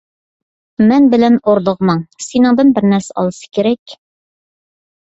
مەن بىلەن ئوردىغا ماڭ، سېنىڭدىن بىر نەرسە ئالسا كېرەك.